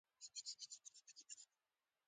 هغې وويل زه غواړم تاسو يو ځل له نږدې وګورم.